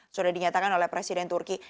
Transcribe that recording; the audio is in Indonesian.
sudah dinyatakan oleh presiden turki